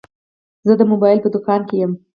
زه د موبایل په دوکان کي یم.